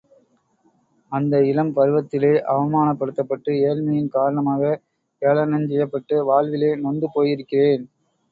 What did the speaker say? அந்த இளம் பருவத்திலே அவமானப் படுத்தப்பட்டு ஏழ்மையின் காரணமாக ஏளனஞ்செய்யப்பட்டு வாழ்விலே நொந்து போயிருக்கிறேன்.